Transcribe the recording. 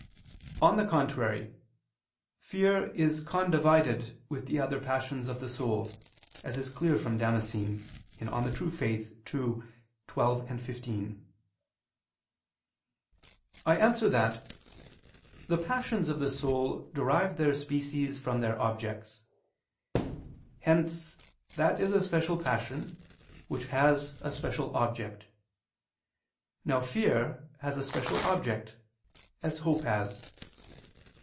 On the contrary, Fear is condivided with the other passions of the soul, as is clear from Damascene (De Fide Orth. ii, 12, 15). I answer that, The passions of the soul derive their species from their objects: hence that is a special passion, which has a special object. Now fear has a special object, as hope has.